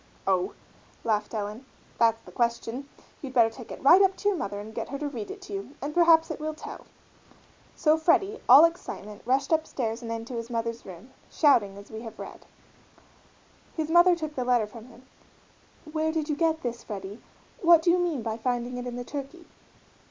"Oh," laughed Ellen, "that's the question! You'd better take it right up to your mother and get her to read it to you and perhaps it will tell." So Freddie, all excitement, rushed upstairs and into his mother's room, shouting as we have read. His mother took the letter from him. "Where did you get this, Freddie what do you mean by finding it in the turkey?"